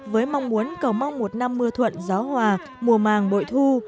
với mong muốn cầu mong một năm mưa thuận gió hòa mùa màng bội thu